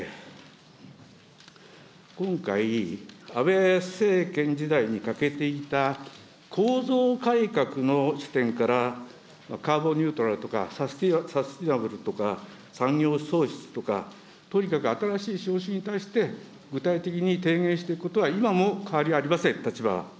今回、安倍政権時代に欠けていた構造改革の視点から、カーボンニュートラルとか、サスティナブルとか、産業創出とか、とにかく新しい資本主義に対して、具体的に提言していくことは今も変わりありません、立場は。